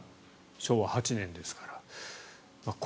昭和８年ですから。